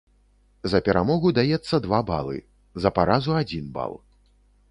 За перамогу даецца два балы, за паразу адзін бал.